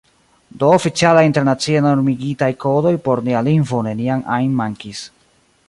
Do oficialaj internacie normigitaj kodoj por nia lingvo neniam ajn mankis.